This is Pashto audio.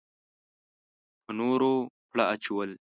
په نورو پړه اچول.